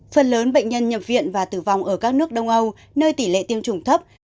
phần lớn bệnh nhân nhập viện và tử vong ở các nước đông âu nơi tỷ lệ tiêm chủng thấp